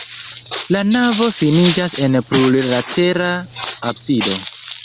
La navo finiĝas en plurlatera absido.